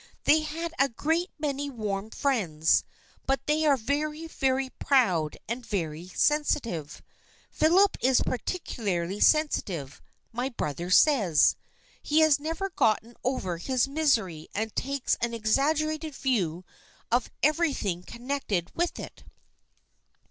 They had a great many warm friends, but they are very, very proud, and very sensitive. Philip is particularly sensitive, my brother says. He has never gotten over his misery and takes an exaggerated view of everything connected with it.